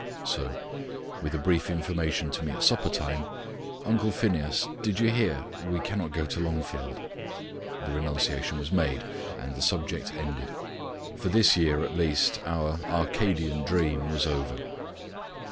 So, with a brief information to me at supper time "Uncle Phineas, did you hear? we cannot go to Longfield," the renunciation was made, and the subject ended. For this year, at least, our Arcadian dream was over.